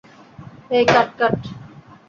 হেই cut কাট।